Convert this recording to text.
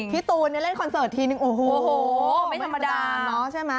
พี่ตูนเล่นคอนเสิร์ตทีนึงโอ้โหไม่ธรรมดา